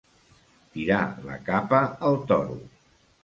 Tirar la capa al toro.